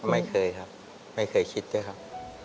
ไม่เคยครับไม่เคยคิดด้วยครับ